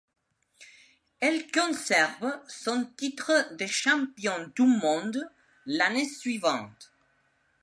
Elle conserve son titre de championne du monde l'année suivante.